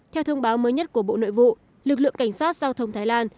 theo thông báo mới nhất của bộ nội vụ lực lượng cảnh sát giao thông thái lan